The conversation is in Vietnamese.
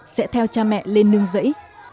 sẽ theo cha mẹ lên nương rẫy